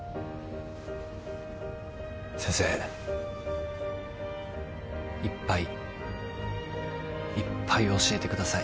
先生いっぱいいっぱい教えてください。